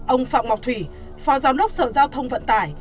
ông phạm ngọc thủy phó giám đốc sở giao thông vận tải